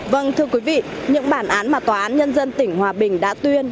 vâng thưa quý vị những bản án mà tòa án nhân dân tỉnh hòa bình đã tuyên